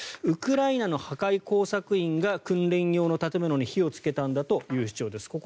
ウクライナの破壊工作員が訓練用の建物に火をつけたんだという主張です。